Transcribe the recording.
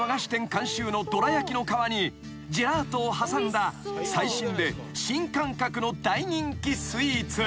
監修のどら焼きの皮にジェラートを挟んだ最新で新感覚の大人気スイーツ］